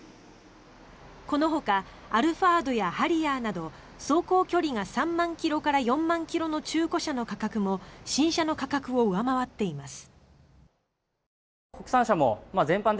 このほかアルファードやハリアーなど走行距離が３万キロから４万キロの中古車の価格も新車の価格を上回っています。